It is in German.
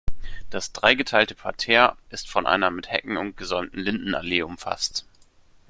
Das dreigeteilte Parterre ist von einer mit Hecken gesäumten Lindenallee umfasst.